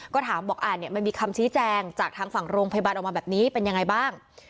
ก็ถามบอกมันมีคำชี้แจงจากทางฝั่งโรงพยาบาลออกมาแบบนี้เป็นยังไงบ้าง